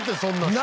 何？